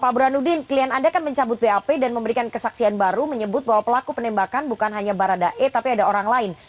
pak burhanuddin klien anda kan mencabut bap dan memberikan kesaksian baru menyebut bahwa pelaku penembakan bukan hanya baradae tapi ada orang lain